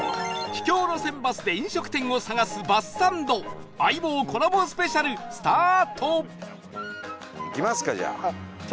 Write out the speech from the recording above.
秘境路線バスで飲食店を探すバスサンド『相棒』コラボスペシャルスタート行きますかじゃあ。